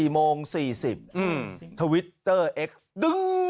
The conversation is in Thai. ๔โมง๔๐ทวิตเตอร์เอ็กซ์ดึง